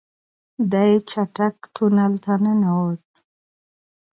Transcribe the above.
دی چټک تونل ته ننوت.